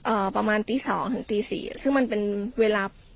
ประมาณตีสองถึงตีสี่ซึ่งมันเป็นเวลา